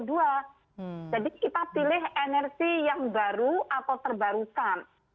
jadi kita pilih energi yang baru atau terbarukan